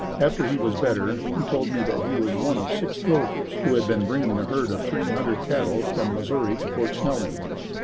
After he was better, he told me that he was one of six drovers who had been bringing a herd of three hundred cattle from Missouri to Fort Snelling.